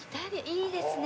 いいですね。